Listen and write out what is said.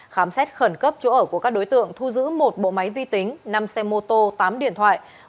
khám xét khẩn cấp chỗ ở của các đối tượng thu giữ một bộ máy vi tính năm xe mô tô tám điện thoại